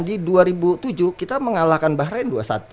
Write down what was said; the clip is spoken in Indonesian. di dua ribu tujuh kita mengalahkan bahrain